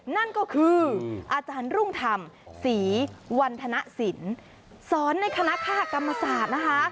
นั่นก็คืออาจารย์รุ่งธรรมศรีวันธนสินสอนในคณะคากรรมศาสตร์นะคะ